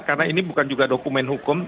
karena ini bukan juga dokumen hukum